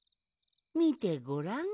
みてごらん。